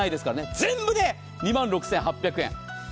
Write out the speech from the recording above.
全部で２万６８００円。